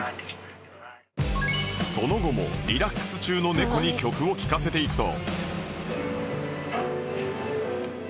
その後もリラックス中の猫に曲を聴かせていくと